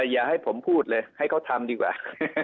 อย่าให้ผมพูดเลยให้เขาทำดีกว่า